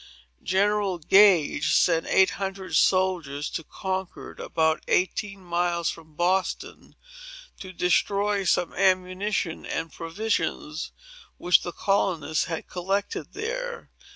General Gage sent eight hundred soldiers to Concord, about eighteen miles from Boston, to destroy some ammunition and provisions which the colonists had collected there.